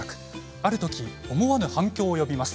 あるとき、思わぬ反響を呼びます。